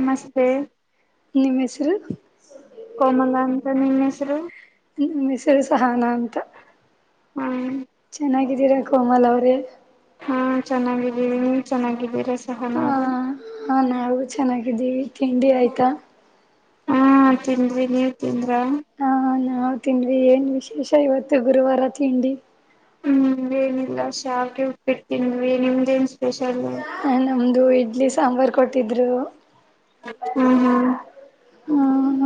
ನಮಸ್ತೆ ನಿಮ್ಮ್ ಹೆಸರು ಕೊಮಲ ಅಂತ ನಿಮ್ ಹೆಸರು ನಿಮ್ಮ ಹೆಸರು ಸಹಾನ ಅಂತ ಹ್ಮ್ ಚೆನ್ನಾಗಿದ್ದೀರಾ ಕೋಮಲ್ ಅವ್ರೇ ಹಾ ಚೆನ್ನಾಗಿದ್ದೀರಿ ನೀನ್ ಚೆನ್ನಾಗಿದ್ದೀರ ಹ ಹಾ ನಾವು ಚೆನ್ನಾಗಿ ಇದೀವಿ ತಿಂಡಿ ಆಯ್ತಾ ಹಾ ತಿಂದ್ವಿ ನೀವ್ ತಿಂದ್ರ ಹಾ ನಾವ್ ತಿಂಡವಿ ಏನ್ ವಿಶೇಷ ಇವತ್ತು ಗುರುವಾರ ತಿಂಡಿ ಹ್ಮ್ ಏನಿಲ್ಲ ಸಾವಿಗೆ ಉಪ್ಪಿಟು ತಿಂದಿವಿ ನಿಮ್ದ ನ್ ಸ್ಪೆಷಲ್ ಹ ನಮ್ದು ಇಡ್ಲಿ ಸಾಂಬಾರ್ ಕೊಟ್ಟಿದ್ರು ಹಾ ಹ್ಮ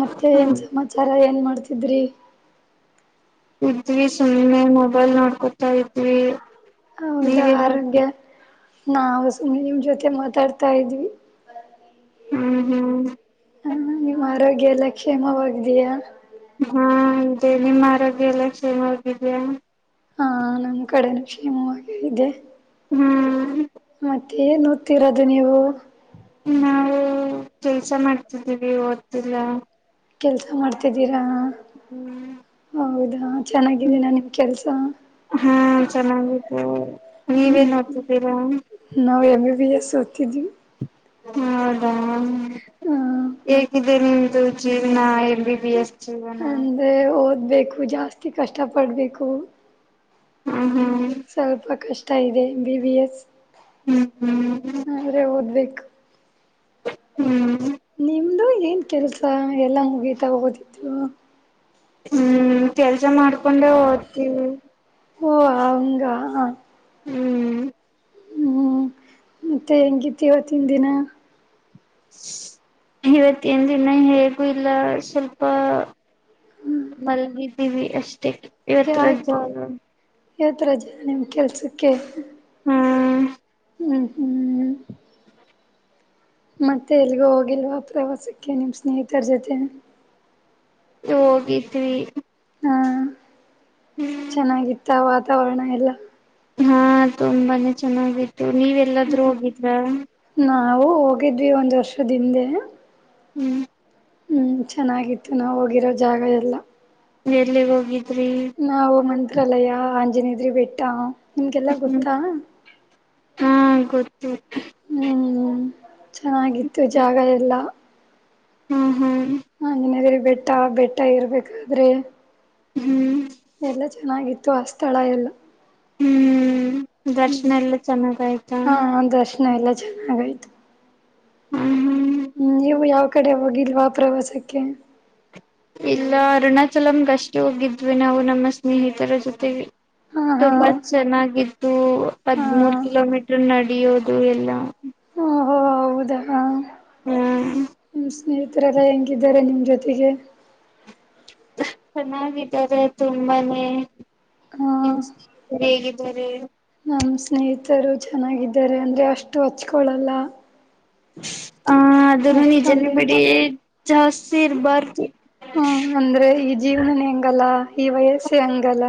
ಮತ್ತೆ ಹ್ಮ ಏನ್ ಸಮಾಚಾರ ಏನ್ ಮಾಡ ಮಾಡತಿದ್ರಿ [inaudible] ಇದ್ವಿ ಸುಮ್ಮ್ನೆ ನೋ ಮೊಬೈಲ್ ನೋಡ್ಕೊತಾ ಇದ್ವಿ ಹೌದಾ ನೀವೇನ್ ಮಾಡ್ತೀ ಆರೋಗ್ಯ ನಾವು ಸುಮ್ಮ್ನೆ ನಿಮ್ ಜೊತೆ ಮಾತಾಡ್ತಾ ಇದ್ವಿ ಹ್ಮ್ ಹ್ಮ್ ಹ ನಿಮ್ಮ್ ಆರೋಗ್ಯ ಎಲ್ಲಾ ಕ್ಷೇಮವಾಗ್ದಯಾ ಹಾ ಇದೆ ನಿಮ್ಮ ಆರೋಗ್ಯ ಎಲ್ಲ ಚನ್ನಾಗಿದ್ಯಾ ಹಾ ನಮ ಕಡೆನುೂ ಕ್ಷೇಮವ ಇದೆ ಹ್ಮ್ ಮತ್ತೆ ನ ಓದತಿರೋದು ನೀವು ನಾವವು ಕೆಲ್ಸ ಮಾಡ್ತಿದ್ದೀವಿ ಓದ್ತಿಲ್ಲ ಕೆಲ್ಸ ಮಾಡ್ತಿದ್ದೀರಾ ಹ್ಮ್ ಹೌದಾ ಚೆನ್ನಾಗಿದ್ದೀ ನ ನಿಮ್ ಕೆಲ್ಸ ಹಾ ಚೆನ್ನಾಗಿದ್ದೆ ಹ್ಮ ನೀವೇನ್ ಓದ್ತಿದ್ದೀರಾ ನಾವು MB B S K G ಹದ ಹ್ಮ ಹೇಗಿದೆನೆ ಜೀವನ ಬಿ ಬಿ ಎಸ್ ಜೀವನ ಅಂದ್ರೆ ಓದು ಓದ ಬೇಕು ಜಾಸ್ತಿ ಕಷ್ಟ ಪಡ್ಬೇಕು ಹ್ಮ್ ಹ್ಮ್ ಸ್ವಲ್ಪ ಕಷ್ಟ ತ ಇದೆ ಬಿ ಬಿ ಎಸ್ ಹ್ಮ್ ಹ್ಮ್ [inaudible] ಅ್ರೆ ಓದ್ಬೇಕು ಹ್ಮ್ ನಿಮ್ ಂದು ಏನ್ ಕೆಲ್ಸ ಎಲ್ಲಾ ಮುಗೀತಾ ಹೋದತ್ತು ಹ್ಮ್ ಕೆಲ್ಸ ಪಜ ಮಾಡ್ಕೊಂಡೆ ಓದ್ತಿೀವಿ ಓ ಅವಂಗ ಹ ಹ್ಮ್ ಹ್ಮ್ ಮತ್ತೆ ಹೆಂಗಿತಿ ಇವತ್ತಿನ ದಿನ ಇವತ್ತೇನ್ ದಿನ ಹೇಗೂ ಇಲ್ಲ ಸ್ವಲ್ಪ ಮಲಗಿದ್ದೀವಿ ಅಷ್ಟೇ ಇವತ್ರ ಯಾವಥರ ಜನ ನಿಮ್ಮ ಕೆಲ್ಸಕ್ಕೆ ಹ್ಮ್ ಹ್ಮ್ ಹ್ಮ್ ಮತ್ತೆ ಎಲ್ಗೂ ಹೋಗಿಲ್ವಾ ಪ್ರವಾಸಕ್ಕೆ ನಿಮ್ಮ್ ಸ್ನೇಹಿತರ ಜೊತೆ ಹೋಗಿದ್ವಿ ಹ್ಮ ಚೆನ್ನಾಗಿತ್ತ ವಾತಾವರಣ ಎಲ್ಲ ಹಾ ತುಂಬಾನೇ ಚೆನ್ನಾಗಿತ್ತು ನೀವೆಲ್ಲಾದ್ರೂ ಹೋಗಿದ್ರ ನಾವು ಹೋಗಿದ್ವಿ ಒಂದ್ ವರ್ಷದಿಂದೆ ಹ್ಮ್ ಹ್ಮ್ ಚೆನ್ನಾಗಿತ್ತು ನಾವ ಹೋಗಿರೋ ಜಾಗ ಎಲ್ಲಾ ಎಲ್ಲಿ ಹೋಗಿ ನಾವು ಮ ಇಲ್ಲಯಾ ಆಂಜನೇಯದ್ರಿ ಬೆಟ್ಟ ನಿಮಗೆಲ್ಲ ಹ್ಮ್ ಗೊತ್ತಾ ಹಾ ಗೊತ್ತು ಹ್ಮ್ ಚೆನ್ನಾಗಿತ್ತು ಜಾಗ ಎಲ್ಲಾ ಹ್ಮ್ ಹ್ಮ್ ಬೆಟ್ಟ ಬೆಟ್ಟ ಇರ್ಬೇಕಾದ್ರೆ ಹ್ಮ್ ಎಲ್ಲ ಚೆನ್ನಾಗಿತ್ತು ಆ ಸ್ಥಳ ಎಲ್ಲ ಹ್ಮ್ ದರ್ಶನ ಹ್ಮ್ ಎಲ್ಲ ಚೆನ್ನಾಗಯ್ತಾ ಹಾ ದರ್ಶನ ಎಲ್ಲ ಚೆನ್ನಾಗಯ್ತು ಹ್ಮ್ ಹ್ಮ್ ಹ್ಮ್ ನೀವು ಯಾವ ಕಡೆ ಹೋಗಿಲ್ವಾ ಪ್ರವಾಸಕ್ಕೆ ಇಲ್ಲ ಅರುಣಾಚಲಮಗೆ ಅಷ್ಟೇ ಹೋಗಿದ್ವಿ ನಾವು ನಮ್ಮ ಸ್ನೇಹಿತರ ಜೊತೆಗೆ ಹಾ ಹಾ ತುಂಬಾ ಚೆನ್ನಾಗಿತ್ತು ಹಾ ಹದಿಮೂರು ಕಿಲೋಮೀಟರ್ ನಡಿಯೋದು ಅದು ಎಲ್ಲಾ ಓಹೋ ಹೌದಾ ಹ್ಮ್ ಸ್ನೇಹಿತರೆಲ್ಲ ಹೆಂಗಿದ್ದಾರೆ ನಿಮ ಜೊತೆಗೆ ಚೆನ್ನಾಗಿದ್ದಾರೆ ತುಂಬಾನೇಂ ಹಾಂ ಹೇಗಿದ್ದಾರೆ ನಮ್ಮ ಸ್ನೇಹಿತರು ಚೆನ್ನಾಗಿದ್ದಾರೆ ಅಂದ್ರೆ ಅಷ್ಟು ಹಚ್ಕೊಳ್ಳಲ್ಲ ಹ ಅದನ್ನು ನಿಜನ ಅಷ್ಟೊಂದೇನು ಬಿಡಿ ಜಾಸ್ತಿ ಇರಬಾರದು ಹ್ಮ ಅಂದ್ರೆ ಈ ಜೀವನನೇ ಹೆಂಗಲ್ಲ ಈ ವಯಸ್ಸು ಹಂಗಲ್ಲ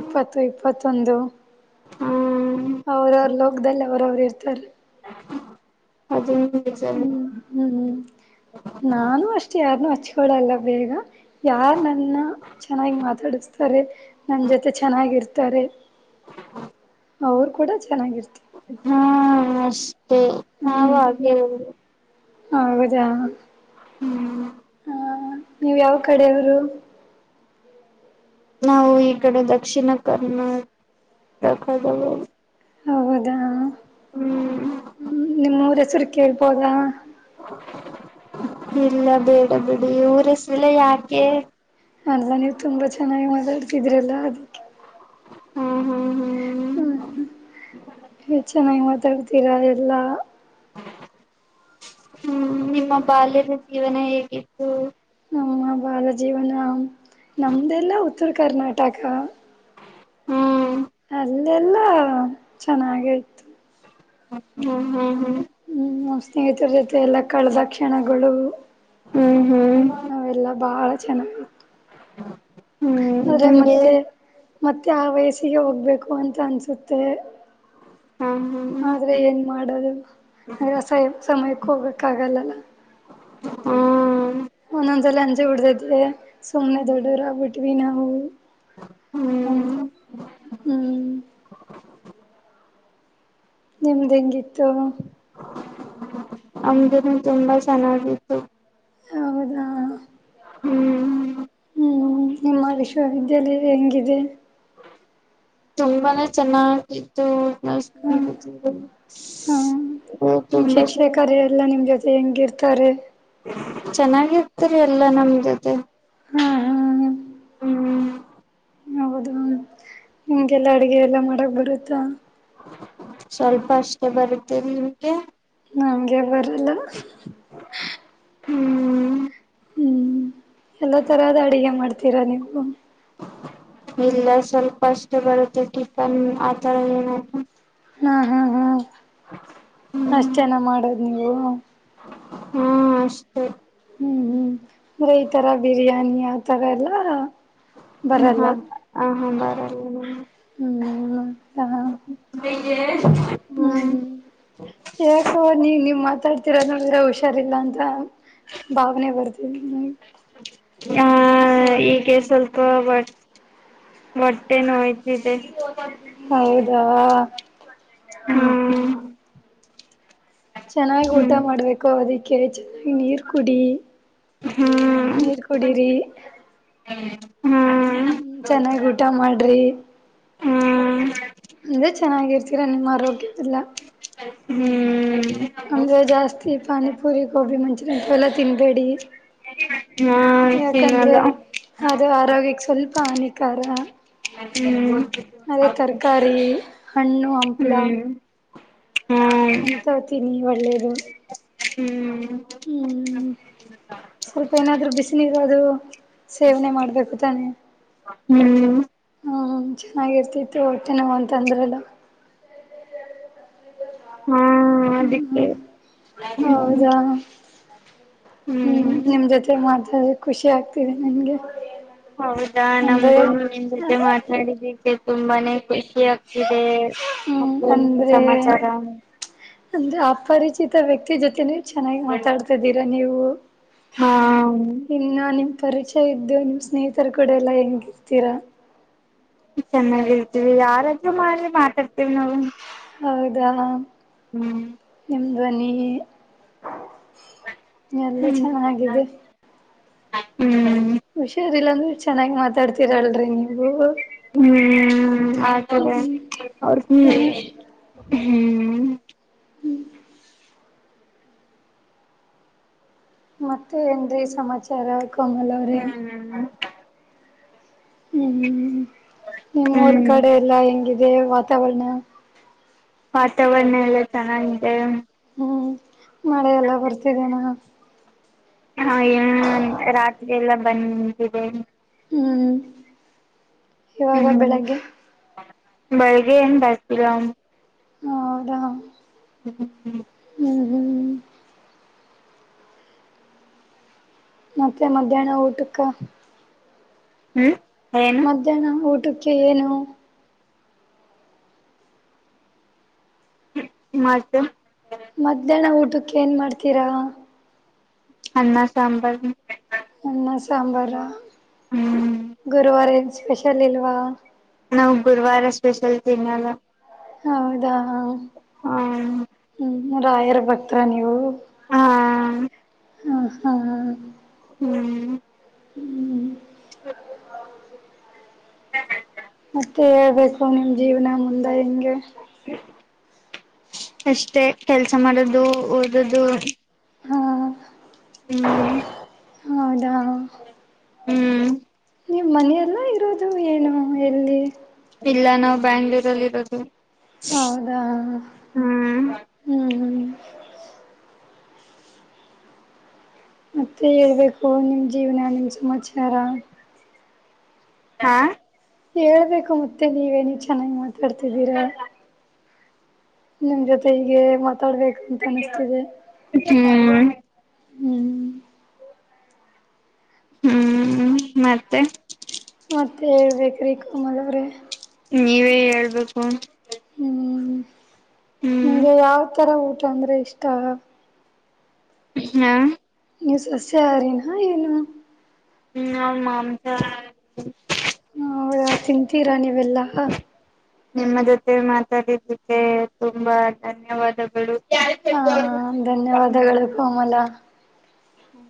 ಇಪ್ಪತ್ತು ಇಪ್ಪತ್ತೊಂದು ಹ್ಮ ಅವೌರಲ್ಲ ಮದಲ್ಲಿ ಅವ್ರ ಅವರು ಇರ್ತಾರೆ ಹದು ಹ್ಮ್ ಹ್ಮ್ ಹ್ಮ್ ನಾನು ಅಷ್ಟೇ ಯಾರನ್ನೂ ಹಚ್ಕೊಳ್ಳಲ್ಲ ಬೇಗ ಯಾರ್ ನನ್ನ ಚೆನ್ನಾಗಿ ಮಾತಾಡಸ್ತಾರೆ ನನ್ ಜೊತೆ ಚೆನ್ನಾಗಿರ್ತ ತರೆ ಹ್ಮ ಅವರು ಕೂಡ ಚೆನ್ನಾಗಿರ್ತಾರೆ ಹ್ಮ ಹಾವು ಹ್ಮ್ ಅಗ ಹೌದಾ ಹ್ಮ್ ಹಾ ನೀವು ಯಾವ ಕಡೆಯವರು ನಾವು ಈ ಕಡೆ ದಕ್ಷಿಣ ಕರ್ನಾಟಕದವರು ಹೌದಾ ಹ್ಮ್ ಸರಿ ಕೇಳುಬಹುದಾ ಇಲ್ಲ ಬೇಡ ಬಿಡಿ ಊರಹೆಸರೆಲ್ಲ ಯಾಕೆ ಅಲ್ಲ್ಲ ನೀವು ತುಂಬಾ ಚೆನ್ನಾಗಿ ಮಾತಾಡ್ತಿದ್ರಲ್ಲಾ ಅದಕ್ಕೇ ಹ್ಮ್ ಹ್ಮ್ ಹ್ಮ್ ಹ್ಮ್ ಹೆ ಚೆನ್ನಗ್ ಮತ್ತ್ ತಡಿತೀರಾ ಎಲ್ಲ ಹ್ಮ್ ನಿಮ್ಮ ಬಾಲ್ಯದ ಜೀವನ ಹೇಗಿತ್ತು ನಮ್ಮ ಬಾಲ ಜೀವನ ನಮ್ದೆಲ್ಲ ಉತ್ತರ ಕರ್ನಾಟಕ ಹ್ಮ್ ಅಲ್ಲೆಲ್ಲ ಚೆನ್ನಾಗಾಯ್ತು ಹ್ಮ ಹ್ಮ ಹ್ಮ ಹ್ಮ್ ನಾವು ಸ್ನೇಹಿತರ ಜೊತೆ ಎಲ್ಲಾ ಕಳೆದ ಕ್ಷಣಗಳು ಹ್ಮ್ ಹ್ಮ್ ಹ್ಮ್ ಅವೆಲ್ಲ ಬಾಳ ಅ [unintelligible] ಹಾ ಆದ್ರೆ ಮತ್ತೆ ಮತ್ತೆ ಆ ವಯಸ್ಸಿಗೆ ಹೋಗ್ಬೇಕು ಅಂತ ಅನ್ಸುತ್ತೆ ಹಾ ಹಾ ಆದ್ರೆ ಏನ್ ಮಾಡದು [unintelligible] ಅಂದ್ರೆಸ ಸಮಯಕ್ಕೆ ಹೋಗಕ್ಕ ಆಗಲ್ಲಲ್ಲ ಹ್ಮ ಒಂದೊಂದ್ಸಲ ಅಂಜೆ ಬಿಡತೈತೆ ಸುಮ್ನೆ ದೊಡ್ಡವರಾಗಿ ಬಿಟ್ವಿ ನಾವು ಹ್ಮ್ ಹೌದು ಹ್ಮ ನಿಮ್ದ್ ಹೆಂಗಿತ್ತು ತ್ತ ಅಮ್ದ ತುಂಬಾ ಚೆನ್ನಾಗಿತ್ತು ಹೌದಾ ಹ್ಮ್ ಹ್ಮ್ ನಿಮ್ಮ ವಿಶ್ವವಿದ್ಯಾಲಯ ಹೆಂಗಿದೆ ತುಂಬಾನೇ ಚೆನ್ನಾಗಿತ್ತು ನ [unintelligible] ಹ ಹ್ಮ ಹಾ [unintelligible] ನಿಮ್ ಶಿಕ್ಷೆ ಕಾರ್ಯ ಎಲ್ಲಾ ನಿಮ್ ಜೊತೆ ಹೆಂಗಿರ್ ಕರೆ ಚೆನ್ನಾಗಿರ್ತ್ತರಿ ಎಲ್ಲಾ ನಮ ಜೊತೆ ಹಾ ಹಾ ಹ್ಮ್ ಹಿಂಗೆಲ್ಲಾ ಅಡುಗೆ ಎಲ್ಲ ಮಾಡಕ್ ಬರುತ್ತಾ ಸ್ವಲ್ಪ ಅಷ್ಟೇ ಬರುತ್ತೇರಿ ನಿಮ್ಗೆ ನನಗೆ ಬರಲ್ಲ [inaudible] ಹ್ಮ್ ಹ್ಮಞ ಎಲ್ಲ ತಥರಹದ ಅಡುಿಗೆ ಮಾಡ್ತೀರಾ ನೀವು ಇಲ್ಲ ಸ್ವಲ್ಪ ಅಷ್ಟೇ ಬರುತ್ತೆ ಟಿಫನ್ ಆತರ ಏನ್ ಹಾ ಹಾ ಹಾ ಅಷ್ಟ ಜನ ಮಾಡದು ನೀವು ಹ್ಮ ಅಷ್ಟೇ ಹ್ಮ್ ಹ್ಮ್ ಅಂದ್ರೆ ಈ ತರ ಬಿರಿಯಾನಿ ಆತರ ಎಲ್ಲ ಹ್ಮ ಹ ಬರಲ್ಲ ಹ ಹಾ ಬರ ಹ್ಮ್ ಹಾ ಹ್ಮ್ ಹ್ಮ್ [inaudible] ಮಾತಾಡ್ತಿೀರ ನ ಹುಷಾರಿಲ್ಲ ಅಂತ ಭಾವನೆ ಬರ್ತ ಹ ಈಗೆ ಸ್ವಲ್ಪ ಹೊಟ್ಟೆ [inaudible] ನೋಯ್ತು ಹೌದಾ ಹ್ಮ್ -ಹ್ಮ್ ಚೆನ್ನಾಗ್ ಊಟ ಹ್ಮ್ ಮಾಡ್ಬೇಕು ಅದುಕ್ ಕೆಳಚಿ ನೀರು ಕುಡಿ ಹ್ಮ್ ನೀರ್ ಕುಡರಿ ಚೆನ್ನಾಗ ಊಟ ಹ್ಮ್ ಮಾಡ್ರಿ ಹ್ಮ್ ಈದೆ ಚೆನ್ನಾಗಿರ್ತೀರಾ ನಿಮ್ಮ ಆರೋಗ್ಯಕೆಲ್ಲ ಹ್ಮ್ ಹಂಗೆ ಜಾಸ್ತಿ ಪಾನಿಪುರಿ ಗೋಬಿ ಮಂಚೂ ಹಿಂತವ್ ಯೆಲ ತಿನ್ಬೇಡಿ ಯಾಕಂದ್ರೆ ತಿನ್ನಲ್ಲ ಅದು ಆರೋಗ್ಯಕ್ಕೆ ಸ್ವಲ್ಪ ಹಾನಿಕಾರ ಹ್ಮ್ ಅದೆ ತರಕಾರಿ ಹಣ್ಣು ಹಂಪ್ಲ ಹ್ಮ್ ಹಾ ಹಂತವ್ ತೀನಿ ಒಳ್ಳೇದು ಹ್ಮ್ ಹ್ಮ್ ಸ್ವಲ್ಪ ಏನಾದ್ರು ಬಿಸಿನೀರು ಅದು ಸೇವನೆ ಮಾಡ್ಬೇಕು ತಾನೆ ಹ್ಮ್ ಹ್ಮ್ ಚೆನ್ನಾಗಿರ್ತಿತ್ತು ಹೊಟ್ಟೆ ನೋವು ಅಂತ ಅಂದ್ರಲ್ಲ ಹಾ ಹ್ಮ ಹ್ಮ ಅದಕ್ಕೆ ಹ್ಮ್ ಹೌದಾ ಹ್ಮ್ ನಿಮ್ ಜೊತೆ ಮಾತ ಅ ಖುಷಿ ಆಗ್ತಿದೆ ನನಗೆ ಹೌದಾ ನಂಗುನು ನೀಮ್ಮ ಜೊತೆ ಮಾತಾಡಿದಿವಿ ತುಂಬಾನೇ ಖುಷಿ ಇ ಆಗ್ತಿದೆ ಹ್ಮ್ ಮತ್ತೆ ಎನ ಅಂದ್ರೆ ಸಮಾಚಾರ ನಿಚಿತ ವ್ಯಕ್ತಿ ಜೊತೆನೆ ಚೆನ್ನಾಗಿ ಮಾತಾಡ್ತಿದಿರ ನೀವು ಹಾ ಇನ್ನು ನಿಮ್ ಪರಿಚಯ ಇದಿಂದ ನಿಮ್ ಸ್ನೇಹಿತರು ಕೂಡ ಎಲ್ಲಾ ಹೆಂಗಿರ್ತೀರಾ ಚೆನ್ನಾಗಿರ್ತಿವಿ ಯಾರಾದ್ರೂ ಮಾಡಿ ಮಾತಾಡ್ತಿವಿ ನಾವು ಹೌದಾ ಹ್ಮ್ ನಿಮ್ ದ್ವನಿ ಎಲ್ಲ ಹ್ಮ್ ಚೆನ್ನಾಗಿದೆ ಹ್ಮ್ ವಿಷೇ ಂಗ್ ಹ್ಮ್ ಆತದೆ ಹ್ಮ್ ಅವ್ರ ಹ್ಮ ಹ್ಮ್ ಮತ್ತೆ ಎಂದೆ ಸಮಾಚಾರ ಮಮಗಳರೆ ಹ್ಮ್ ಹ್ಮ್ ನಿಮ್ಮ್ೂಊರ್ ಹ್ಮ್ ಕಡೆ ಎಲ್ಲಾ ಹೆಂಗ ಇೇ ವಾತಾವರಣ ವಾತಾವರ್ರಣ ಎಲ್ಲ ಚೆನ್ನಾಗಿದೆ ಹ್ಮ್ ಮಳೆೆಲ್ಲ ಬರ್ತಿದ್ದೇನಾ ಹಾಏ ಒ ರಾತ್ರಿ ಎಲ್ಲ ಬಂದಂದಿದೆ ಹ್ಮ್ ಇವಾಗ ಬೆಳಗ್ಗೆ ಬೆಳಗ್ಗೆ ಏನ್ ಬರ್ತೀರ ಹೌದಾ ಹ್ಮ್್ಮ ಹ್ಮ ಹ್ಮ ಮತ್ತೆ ಮಧ್ಯಾಹ್ನ ಊಟಕ್ಕ ಹ್ಮ್ ಏನು ಮಧ್ಯಾಹ್ನ ಊಟಕ್ಕೆ ಏನು ಮ ಅ ಏನ್ ಮಾಡ್ತೀರಾ ಅನ್ನ ಸಾಂಬಾರ್ ಅ್ಣ ಸಾಂಬಾರಾ ಹ್ಮ್ ಗುರುವವಾರ ಸ್ಪೆಷಲ್ ಇಲ್ವಾ ನಾವು ಗುರುವಾರ ಸ್ಪೆಷಲ್ ತಿನ್ನಲ್ಲ ಹೌದಾ ಹ ಹ್ಮ್ ಹ್ಮ್ ನೂರ ಆಯರ್ ಬತರಾ ನೀವು ಹಾ ಹ್ಮ ಹ್ಮ ಹ ಹ್ಮ್ ಹ್ಮ್ ಹ ಮತ್ತೆ ಹೇಳ್ಬೇಕು ನಿಮ್ ಜೀವನ ಮುಂದ ಹ ಅಷ್ಟೆ ಕೆಲ್ಸ ಮಾಡದು ಓದದು ಹ್ಮ ಹ್ಮ್ ಹ್ಮ ಯಾ ಹ್ಮ್ ನಿಮ್ಮ್ ಮನೆಯೆಲ್ಲ ಇರದು ಅದು ಏನು ಎಲ್ಲಿ ಬ್ಯಾಂಗ್ಳೂರ್ ಅಲ್ಲಿ ಇರೋದು ಹೌದಾ ಹ್ಮ್ ಹ್ಮ್ ಮತ್ತೆ ಹೇಳ್ಬೇಕು ನಿಮ್ ಜೀವನ ನಿಮ ಸಮಾಚಾರ ಹಾ ಹೇಳ್ಬೇಕು ಮತ್ತೆ ನೀವೇನ ಚೆನ್ನಾಗಿ ಕಡ್ತಿದ್ದೀರಾ ನಿಮ್ ಜೊತೆ ಹೀಗೆ ಮತ್ತೆ ಮಾತೊಡ್ಬೇಕಂತ ಅನಿಸ್ತಿದೆ ಹ್ಮ್ ಹ್ಮ್ ಹ್ಮ್ ಮತ್ತೆ ಮತ್ತೆಳ್ಬೇಕೇಕ್ರಿ ಕಮಲ್ ಅವ್ರೀ ನೀವೇ ಹೇಳ್ಬೇಕು ಹ್ಮ್ ಹ್ಮ್ ನಿಮ್ಗೆ ಯಾವ ತರ ಊಟ [inaudible] ಅಂದ್ರೆ ಇಷ್ಟ ಹಾ ನೀವು ಸಸ್ಯ ಹಾರಿನಾ ಏನು ನಾವ್ ಮಾಂಸಹಾರಿ ಹ ತಿಂತೀರಾ ನೀವೆಲ್ಲಾ ನಿಮ್ಮ ಜೊತೆ ಮಾತಾಡಿದಕ್ಕೆ ತುಂಬಾ ಧನ್ಯವಾದಗಳು ಹಾ ಯಾರ ಧನ್ಯವಾದಗಳು ಕೋಮಲ ಹ್ಮ್